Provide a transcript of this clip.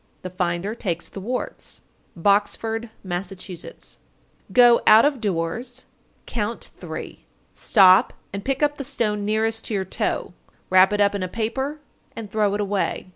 The finder takes the warts. Boxford, Mass. 910. Go out of doors, count three, stop and pick up the stone nearest to your toe. Wrap it up in a paper, and throw it away.